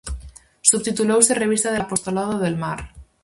Subtitulouse "Revista del apostolado del mar".